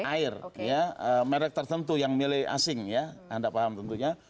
air ya merek tertentu yang milih asing ya anda paham tentunya